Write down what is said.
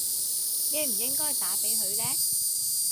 應唔應該打畀佢呢